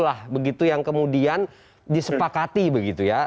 lah begitu yang kemudian disepakati begitu ya